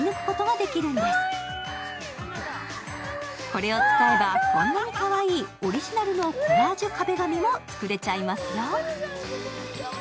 これを使えば、こんなにかわいいオリジナルのコラージュ壁紙も作れちゃいますよ。